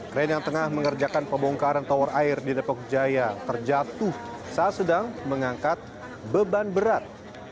brand yang tengah mengerjakan pembongkaran tower air di depok jaya terjatuh saat sedang mengangkat beban berat